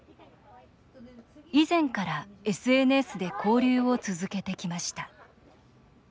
以前からＳＮＳで交流を続けてきました。